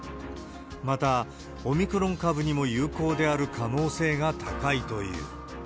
また、オミクロン株にも有効である可能性が高いという。